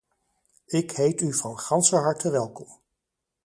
Ik heet u van ganser harte welkom.